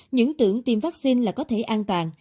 những tưởng tiêm vaccine là có thể an toàn